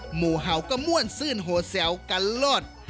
หมู่เหาก็ม่วนซื่นโหแซวกันโลด